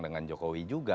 dengan jokowi juga